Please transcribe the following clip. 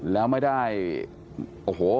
แล้วไม่ได้โอ้โห